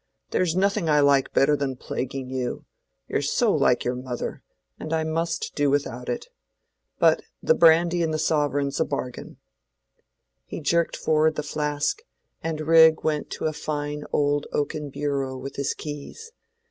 There's nothing I like better than plaguing you—you're so like your mother, and I must do without it. But the brandy and the sovereign's a bargain." He jerked forward the flask and Rigg went to a fine old oaken bureau with his keys.